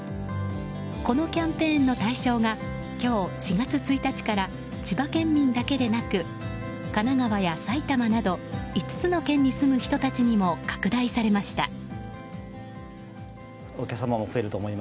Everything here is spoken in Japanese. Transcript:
このキャンペーンの対象が今日４月１日から千葉県民だけでなく神奈川や埼玉など５つの県に住む人たちにも拡大されました。